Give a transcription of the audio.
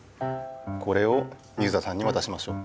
これを水田さんにわたしましょう。